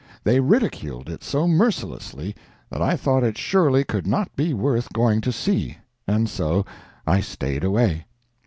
They ridiculed it so mercilessly that I thought it surely could not be worth going to see, and so I staid away.